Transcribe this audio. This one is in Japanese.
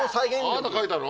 あなた描いたの？